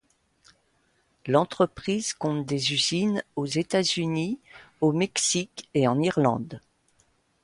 L'entreprise compte des usines aux États-Unis, au Mexique et en Irlande.